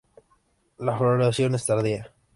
La floración es tardía.